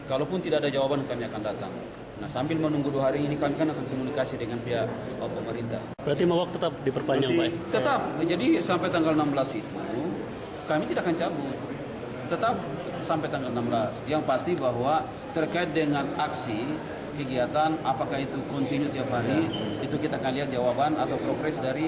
itu kita akan lihat jawaban atau progress dari apa yang disampaikan oleh bapak bapak